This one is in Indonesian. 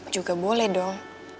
juga boleh dong